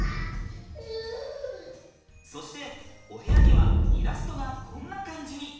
そしてお部屋にはイラストがこんな感じに。